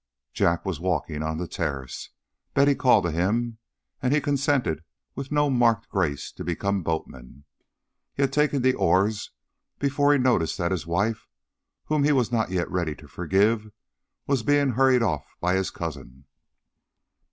Jack was walking on the terrace. Betty called to him, and he consented with no marked grace to be boatman. He had taken the oars before he noticed that his wife, whom he was not yet ready to forgive, was being hurried off by his cousin.